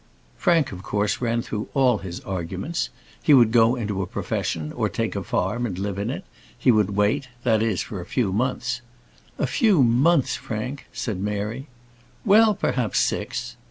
Frank, of course, ran through all his arguments. He would go into a profession, or take a farm and live in it. He would wait; that is, for a few months. "A few months, Frank!" said Mary. "Well, perhaps six."